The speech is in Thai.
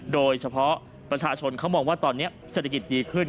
โดยเฉพาะประชาชนเขามองว่าตอนนี้เศรษฐกิจดีขึ้น